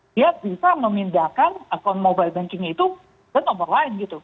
dia bisa memindahkan akun mobile bankingnya itu ke nomor lain gitu